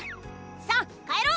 さ帰ろう！